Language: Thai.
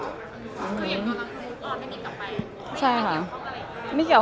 อเรนนี่มีหลังไม้ไม่มี